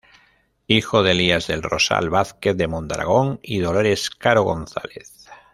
Hijo de Elías del Rosal Vázquez de Mondragón y Dolores Caro González.